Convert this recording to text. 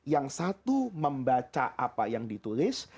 yang satu membaca apa yang ditulis